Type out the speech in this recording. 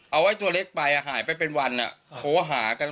เอาไว้ตัวเล็กไปหายไปเป็นวันโทรหากัน